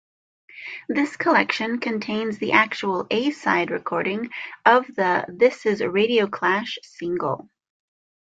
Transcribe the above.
This collection contains the actual A-side recording of the "This Is Radio Clash" single.